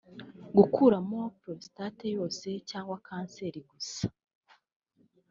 gukuramo prostate yose cyangwa kanseri gusa